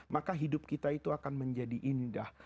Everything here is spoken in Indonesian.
maka hidup kita itu akan menjadi indah